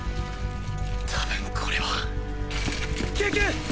多分これは救急！